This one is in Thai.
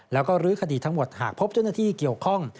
แล้วก็ลื้อคดีทั้งหมดหากพบเจ้าหน้าที่เกี่ยวข้อง